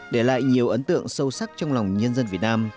để lại nhiều ấn tượng sâu sắc trong lòng nhân dân việt nam